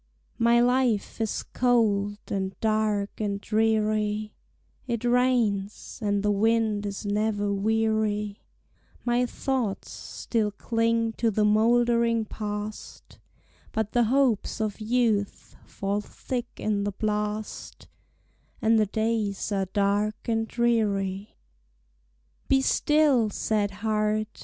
My life is cold, and dark, and dreary; It rains, and the wind is never weary; My thoughts still cling to the moldering Past, But the hopes of youth fall thick in the blast, And the days are dark and dreary. Be still, sad heart!